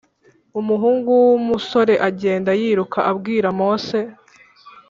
Umuhungu w umusore agenda yiruka abwira mose